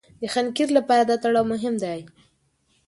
د حنکير لپاره دا تړاو مهم دی.